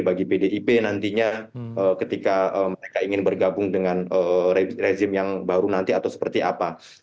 bagi pdip nantinya ketika mereka ingin bergabung dengan rezim yang baru nanti atau seperti apa